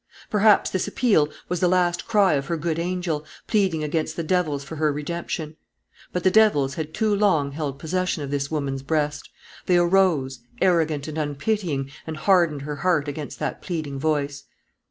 Perhaps this appeal was the last cry of her good angel, pleading against the devils for her redemption. But the devils had too long held possession of this woman's breast. They arose, arrogant and unpitying, and hardened her heart against that pleading voice.